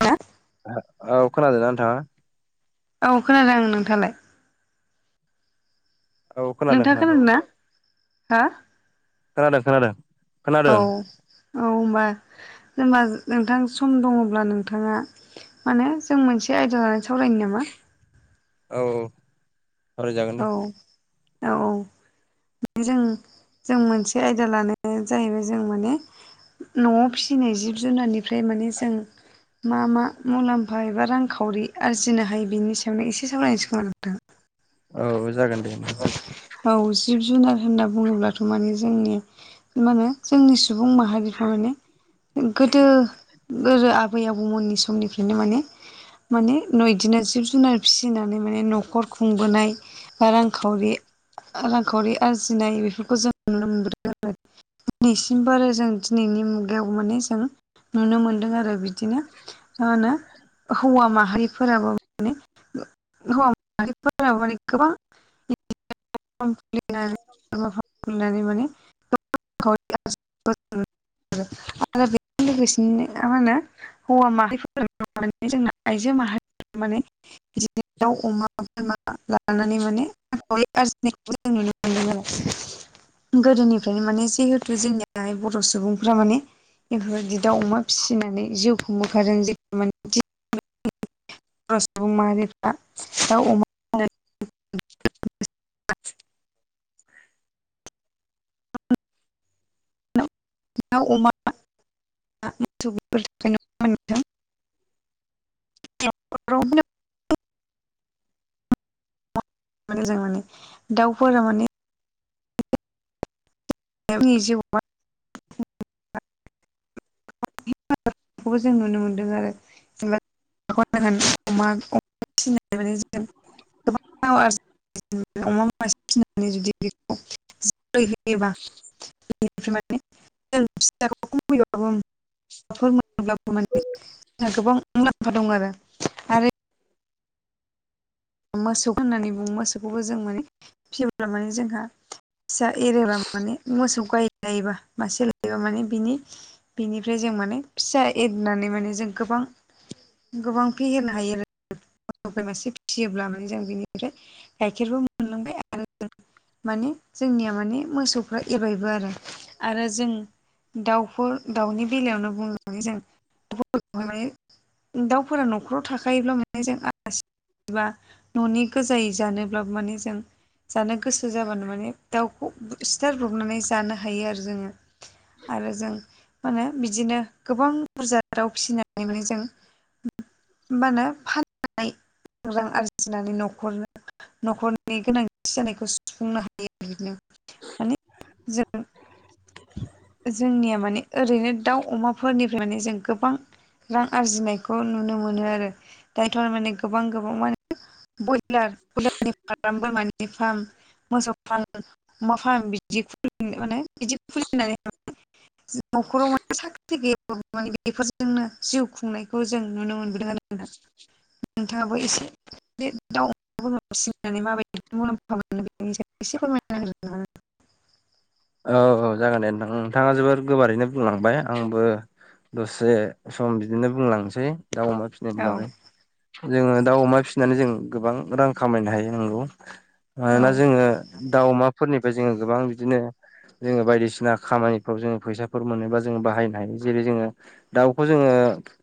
ह [unintelligible] औ खोनादों ना नोंथाङा? औ खोनादों आं नोंथालाय? नोंथाङा खोनादों ना हो? खोनादों खोनादों। औ खोनादों औ होमबा होमबा ज नोंथां सम दङ'ब्ला नोंथाङा मानोे जों मोनसे आयदा लानानै सावरायनो नामा? औ औ। सावरायजागोन दे औ औ औ। जों जों मोनसे आयदा लानाया जाहैबाय जों माने न'आव फिसिनाय जिब-जुनारनिफ्राय माने जों मा मा मुलाम्फा एबा रांखावरि आरजिनो हायो बेनि सायावनो एसे सावरायनोसै खोमा नोंथां। औ जागोन दे नोंथां। औ जिब-जुनार होनना बुङोब्लाथ' माने जोंनि मा होनो जोंनि सुबुं माहारिफ्रा माने गोदो गोदो आबै-आबौमोननि समनिफ्रायनो माने माने न' इदिनो जिब-जुनार फिसिनानै माने न'खर खुंबोनाय ओ रां-खावरि रां-खावरि आरजिनाय बेफोरखौ जों नुनो मोनबोदों आरो। दिनैसिमबो आरो जों दिनैनि मुगायाव माने जों नुनो मोनदों आरो बिदि बिदिनो मा होनो हौवा माहारि फोराबो माने [unintelligible] हौवाफोराबो माने गोबां [inaudible] माने [inaudible] [inaudible] आरो [inaudible] लोगोसेनो नोंथां मा होनो हौवा माहफोर [inaudible] जोंना आइजो माहारि माने बिदिनो अमा [unintelligible] लानानै माने माने रां-खावरि आरजिनायखौबो जों नुनो मोनदों आरो। गोदोनिफ्रायनो माने जिहेतु जोंनियाहाय बर' सुबुंफोरा माने बेफोरबायदि दाउ अमा फिसिनानै जिउ खुंबोखादों [unintelligible] [unintelligible] सुबुं माहारिया दाउ अमा [unintelligible] दाउ अमा [unintelligible] [unintelligible] [unintelligible] जों माने दाउफोरा माने [unintelligible] जिउआव‌ मा खौबो जों नुनो मोनदों आरो [unintelligible] अमा [unintelligible] गोबां [unintelligible] अमा मासे फिसिनानै जुदि बेखौ [unintelligible] [unintelligible] अब्लाबो माने जोंहा गोबां मुलाम्फा दं आरो मोसौ होननानै बुङो मोसौखौबो जों माने फिसियोब्ला माने जोंहा फिसा एरोबा माने मोसौ गाय लायोबा मासे लायोबा माने बिनि बिनिफ्राय जों माने फिसा एरनानै माने जों गोबां गोबां फेहेरनो हायो आरो [unintelligible] फिसियोब्ला माने जों बेनिफ्राय गाइखेरबो मोनलोंबाय आरो माने जोंनिया माने मोसौफ्रा एरबायबो आरो आरो जों दाउफोर दाउनि बेलायावनो बुंनानै जों दाउफोरखौ माने दाउफोरा न'खराव थाखायोब्ला माने जों आलासि एबा न'नि गोजायै जानोब्लाबो माने जों जानो गोसो जाबानो माने दाउखौ सिथारब्रबनानै जानो हायो आरो जोङो। आरो जों मा होनो बिदिनो गोबां बुरजा दाउ फिसिनानै माने जों मा होनो फान- रां आरजिनानै न'खरनो न'खरनि गोनांथि जानायखौ सुफुंनो हायो बिदिनो माने जों जोंनिया माने ओरैनो दाउ अमाफोरनिफ्राय माने जों गोबां रां आरजिनायखौ नुनो मोनो आरो दायोथ' माने गोबां गोबां माने ब्रयलार बयलारनि फार्म बोरमानि फार्म मोसौ फार्म अमा फार्म बिदि खुलि माने बिदि खुलिनानै न'खराव माने साख्रि गैयाबाबो माने बेफोरजोंनो जिउ खुंनाय खौ जों नुनो मोनबोदों आरो नोंथां दाबो एसे बे दाउ बोरमा फिसिनानै माबायदि मुलाम्फा मोनो बेनि सायाव एसे फोरमायना होनो हा- औ औ जागोन दे नोंथां नोंथाङा जोबोर गोबारैनो बुंलांबाय आंबो दसे सम बिदिनो बुंलांसै दाउ अमा फिसि- नायनि औ बागै जोङो दाउ अमा फिसिनानै जों गोबां रां खामायनो हायो नांगौ औ मानोना जोङो दााव अमाफोरनिफ्राय जोङो गोबां बिदिनो जोङो बायदिसिना खामानिफ्राव जोङो फैसाफोर मोनोबा जोङो बाहायनो हायो जेरै जोङो दाउखौ जोङो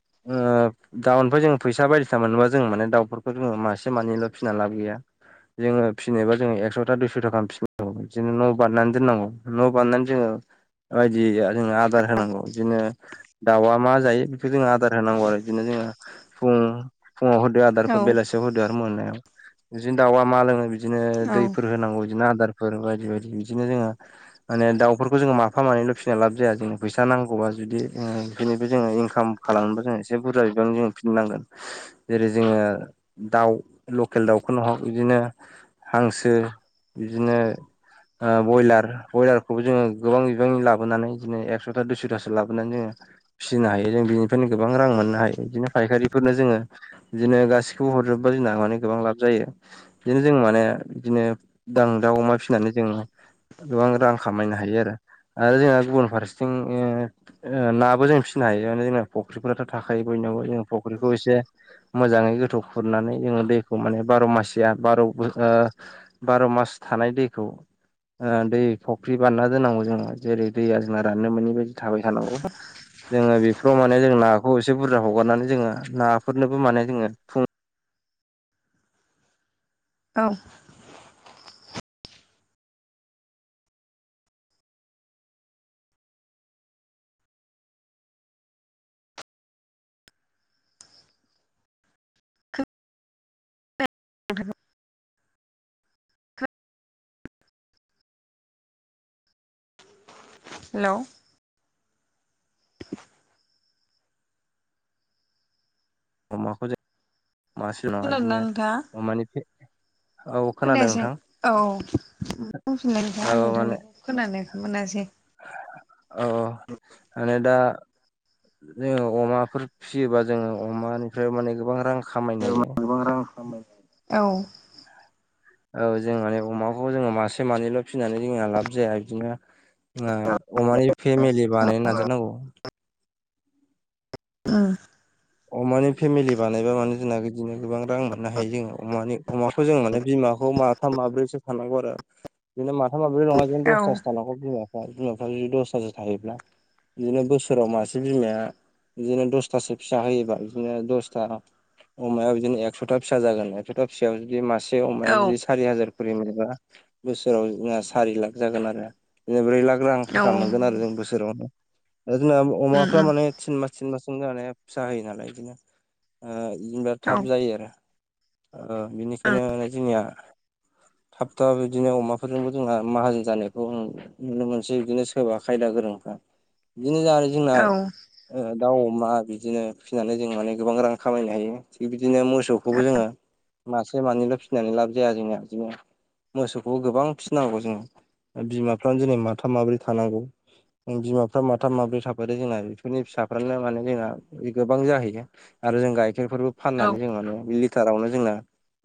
[inaudible] ओ दाउनिफ्राय जों फैसा बायदिसिना मोननोबा जों माने दाउफोरखौ जोङो मासे मानैल' फिना लाबो गैया जोङो फिनोब जोङो एकस'था दुइस'था गाहाम फिखानांगौ बिदिनो न' बानानै दोननांगौ न' बानायनानै जोङो बायदि जोङो आदार होनांगौ बिदिनो दाउआ मा जायो बेखौ जों आदार होनांगौ आरो बिदिनो जोङो फुं फुङाव होदो औ आदारखौ बेलासियाव होदो आरो मोनायाव बिदिनो दाउआ मा लोङो बिदिनो औ दैफोर होनांगौ बिदिनो आदारफोर बायदि बायदि बिदिनो जोङो माने दाउफोरखो जोङो माफा मानैल' फिसिना लाब जाया जोंना। फैसा नांगौबा जुदि ओ बिनिबो जोङो इनकाम खालामनोबा‌ जोङो एसे बुरजा बिबां जोङो फिसिनांगोन। जेरै जोङो दाउ लकेल दाउखौनो हक इदिनो हांसो इदिनो ओ बयलार बयलारखौबो जोङो गोबां बिबांनि लाबोनानै इदिनो एकसथा दुइसथासो लाबोनानै जोङो फिसिनो हायो जों बिनिफ्रायनो गोबां रां मोननो हायो बिदिनो फायखारिफोरनो जोङो बिदिनो गासिखौबो हरजोबबा जों माने गोबां लाब जायो। बिदिनो जों माने बिदिनो दां दाउ अमा फिसिनानै जों गोबां रां खामायनो हायो आरो आरो जोंहा गुबुन फारसेथिङो ओ नाबो जों फिसिनो हायो माने जोंना फुख्रिफोराथ' थाखायो बयनियावबो जों फख्रिखौ एसे मोजाङै गोथौ खुरनानै जोङो दैखौ माने बार' मासिया बार बार मास थानाय दैखौ ओ दै फुख्रि बानना दोननांगौ जोङो जेरै दैया जोंना राननो मोनै बायदि थाबाय थानांगौ जोङो बेफोराव माने जोंना खौ एसे बुरजा हगारनानै जोङो नाफोरनोबो माने जोङो फुं औ [unintelligible] हेलौ [inaudible] अमाखौ [unintelligible] खोनादोंना नोंथाङा? अमानि औ खोनादों खोनायासै नोंथां आं औ बुंफिनलाय नोंथां औ आं माने नोंथांनिखौ खोनानो मोनासै। औ माने दा जोङो अमाफोर फिसियोबा जोङो अमानिफ्राय माने गोबां रां खामायनो हायो। औ औ जों माने अमाखौ जोङो मासे मानैल' फिसिनानै जोङा लाब जाया बिदिनो जोङा अमानि फेमिलि बानायनो नाजानांगौ। ओ अमानि फेमिलि बानायबा माने जोंना बिदिनो गोबां रां मोननो हायो जोङो अमानि अमाखौ जों माने बिमाखौ मा थाम माब्रैसो थानांगौ आरो बिदिनो माथाम माब्रैल' नङा इदिनो औ दसथासो थानांगौ बिमाया। बिमाफ्रानो दसतासो थायोब्ला बिदिनो बोसोराव मासे बिमाया बिदिनो दसथासो फिसा होयोबा बिदिनो दसथा अमायाव बिदिनो एकस'था फिसा जागोन एकस'था फिसायाव जुदि मास बे अमाया औ बिस सारि हाजार खरि मोनोबा बोसोराव जोङा सारि लाख जागोन आरो ब्रै लाख रां औ थाखा मोनगोन उम आरो जों बोसोरावनो दा जोंना अमाफ्रा उम माने तिन मास तिन मासजोंनो माने फिसा होयो नालाय ओ बिदिनो जेनबा औ ओं थाब जायो आरो ओ औ बिनिखायनो माने जोंनिया थाब थाब बिदिनो अमाफोरजोंबो जोंहा माहाजोन जानायखौ नुनो मोनसै बिदिनो सोरबा खायदा गोरोंफ्रा बिदिनो जा जोंना औ ओ दाउ अमा बिदिनो फिसिनानै जों माने गोबां रां खामायनो हायो थिग बिदिनो मोसौखौबो जोङो मासे मानैल' फिसिनानै लाब जाया जोंना बिदिनो मोसौखौ गोबां फिसिनांगौ जोङो बिमाफ्रानो दिनै माथाम माब्रै थानांगौ। बिमाफ्रा माथाम माब्रै थाबाय जोंना बेफोरनि फिसाफ्रानो माने जोंना गोबां जाहैयो आरो जों गाइखेरफोरबो औ फाननानै जों माने लिटारावनो जोंना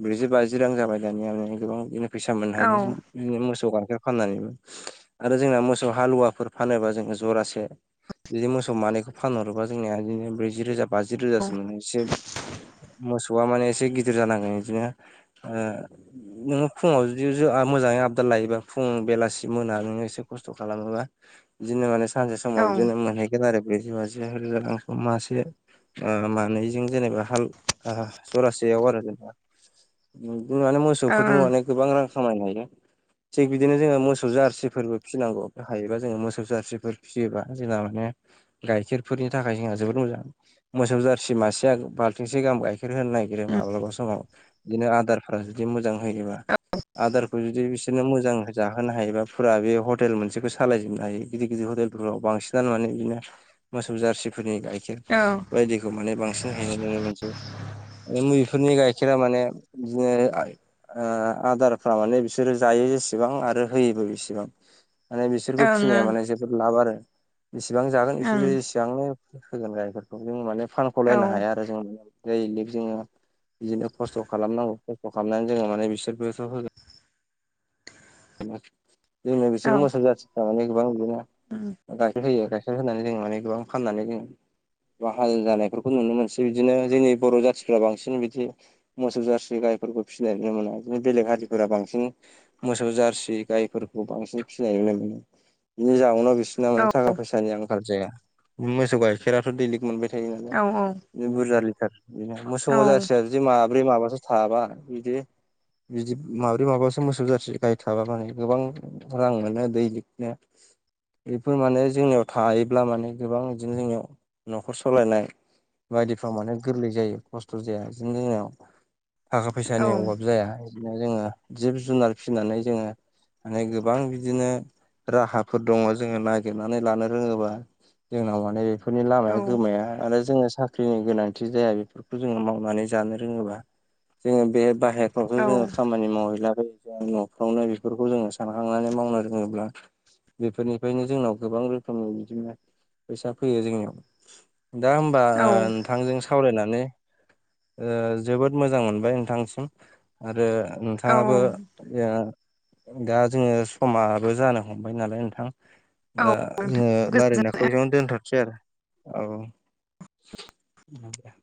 ब्रैजि बाजि रां जाबाय दानिया माने गोबां बिदिनो फैसा मोननो औ हायो जों। बिदिनो मोसौ गाइखेर फाननानैबो आरो जोंना मोसौ हालुवाफोर फानोबा जोङो जरासे जुदि मोसौ मानैखौ फानहरोबा जोंनिया बिदिनो ब्रैजि रोजा बाजि रोजासो मोनोसै मोसौआ माने एसे गि दिर जानानै इदिनो ओ नोङो फुङाव जुदि जो मोजाङै आबदाल लायोबा फुुं बेलासि मोना नोङो एसे खस्थ' खालामोबा बिदिनो माने सानसे ओं उम औ समाव ओं बिदिनो मोनहैगोन आरो ब्रैजि बाजि रोजा रां मासे मानैजों जेनेबा हाल जर याव आरो जेनबा बि माने मोसौफोरजों ओं माने गोबां रां खामायनो हायो थिग बिदिनो जोङो मोसौ जारसिफोरबो फिसिनांगौ हायोबा जोङो मोसौ जारसिफोर फिसियोबा जोंना माने गाइखेरफोरनि थाखाय जोंहा जोबोद मोजां मोसौ जारसि मासेया बाल्थिंसे गाहाम गाइखेर होननाय माब्लाबा समाव बिदिनो आदार जुदि मोजां होयोबा आदारखौ जुदि बि बिदिनो मोजां जाहोनो हायोबा फुरा बे हटेल मोनसेखौ सालायजोबनो हायो गिदिर गिदिर हटेलफोराव बांसिन जान माने बिदिनो मोसौ जारसिफोरनि गाइखेर बायदिखौ माने बांसिन हैनाय नुनो मोनसै [unintelligible] गाइखेरा माने बिदिनो ओ आदारफ्रा माने बिसोरो जायो जेसेबां आरो होयोबो बेसेबां माने बिसोरखौ फिसिनाया माने जोबोद लाब आरो बिसिबां जागोन बिसोरो ओं जांनो होगोन गायफोरखौ जों माने फानखलायनो हाया औ आरो जों जोङो बिदिनो खस्थ' खालामनांगौ खस्थ' खालामनानै जोङो माने बिसोरबोथ' होगोन जोंना औ बिसोर मोसौ जाथि थाराने गोबां गोना उम गाइखेर होयो गाइखेर फानै जों माने गोबां फाननानै जों [unintelligible] हाल जानायफोरखौ नुनो मोनसै बिदिनो जोंनि बर' जाथिफ्रा बांसिन बिदि मोसौ जारसि गायफोरखौ फिसिनाय नुनो मोना बिदिनो बेलेग हारिफोरा बांसिन मोसौ जारसि [unintelligible] गायफोरखौ बांसिन फिसिनाय नुनो मोनो बिनि जउनाव बिसिोरना माने औ थाखा फैसानि आं आंखार जाया मोसौ गाइखेराथ' दैलिग मोनबाय थायो औ नालाय बुरजा लिटार [unintelligible] बिदि औ माब्रै माबासो थाबा बिदि बिदि माब्रै माबासो मोसौ जारसि गाय थाबा माने गोबां रां मोनो दै लिरनो बेफोर माने जोंनियाव थायोब्ला माने गोबां बिदिनो जोंनियाव न'खर सलायनाय बायदिफ्राव माने गोरलै जायो खस्थ' जाया बिदिनो जोंनाव थाखा फैसानि औ अभाब जाया बिदिनो जोङो जिब जुनार फिसिनानै जोङो माने गोबां बिदिनो राहाफोर दङ जोङो नागिरनानै लानो रोङोबा जोंनाव माने बे बे फोरनि लामाया गोमाया आरो जोङो साख्रि ख्रिनि गोनांथि जाया बेफोरखौ जोङो मावनानै जानो रोङोबा जोङो बे बाहेर [unintelligible] जोङो खामानि मावहैलाखै जों न'फ्रावनो बेफोरखौ जोङो सानखांनानै मावनो रोङोब्ला बेफोरनिफ्रायनो जोंनाव गोबां रोखोमनि बिदिनो फैसा फैयो जोंनियाव दा होमबा नोंथांजों सावरायनानै जोबोद मोजां मोनबाय नोंथांसिम आरो औ नोंथाङाबो दा जोङो समाबो जानो हमबाय नालाय नोंथां औ दा जोङो नोंथां रायल्लायनाय गोजोननाय खौ जों दोनथनोसै आरो औ